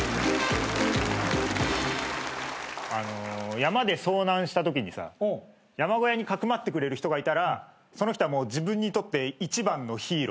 山で遭難したときにさ山小屋にかくまってくれる人がいたらその人は自分にとって一番のヒーローだよな。